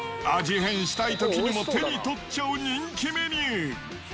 変したいときにも手に取っちゃう人気メニュー。